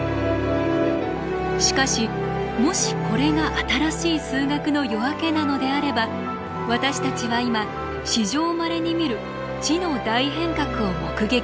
しかしもしこれが新しい数学の夜明けなのであれば私たちは今史上まれに見る知の大変革を目撃している。